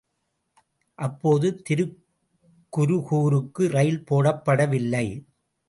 அப்போது திருகுருகூருக்கு ரயில் போடப்படவில்லை.